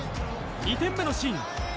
２点目のシーン